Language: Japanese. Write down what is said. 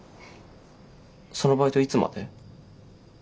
そのバイトいつまで？